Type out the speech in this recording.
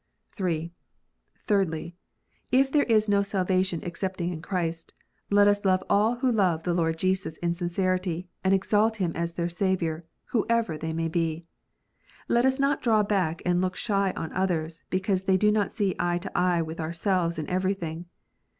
(3) Thirdly , if there is no salvation excepting in Christ, let us love all who love the Lord Jesus in sincerity, arid exalt Him as their Saviour, whoever they may be. Let us not draw back and look shy on others, because they do not see eye to eye with ourselves in everything.